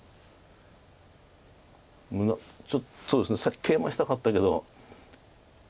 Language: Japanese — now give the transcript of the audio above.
ちょっとそうですねさっきケイマしたかったけど。